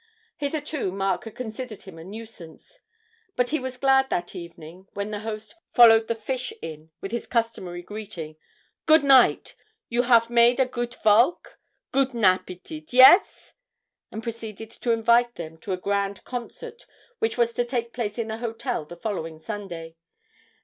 Hitherto Mark had considered him a nuisance, but he was glad that evening when the host followed the fish in with his customary greeting. 'Good night! You haf made a goot valk? Guten appetit yes?' and proceeded to invite them to a grand concert, which was to take place in the hotel the following Sunday.